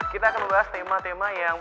kita akan membahas tema tema yang